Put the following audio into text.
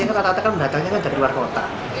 ini kan tata tata mendatangnya kan dari luar kota